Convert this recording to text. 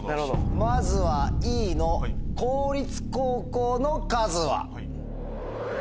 まずはＥの「公立高校の数」は？